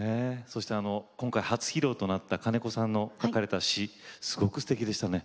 今回、初披露となった金子さんの書かれた詞すごくすてきでしたね。